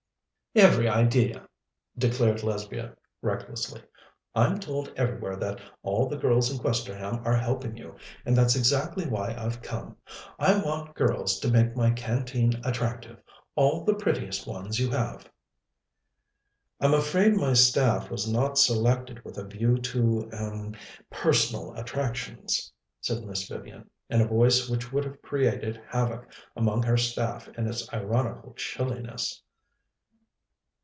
"Every idea," declared Lesbia recklessly. "I'm told everywhere that all the girls in Questerham are helping you, and that's exactly why I've come. I want girls to make my Canteen attractive all the prettiest ones you have." "I'm afraid my staff was not selected with a view to er personal attractions," said Miss Vivian, in a voice which would have created havoc amongst her staff in its ironical chilliness.